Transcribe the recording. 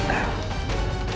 aku ada angka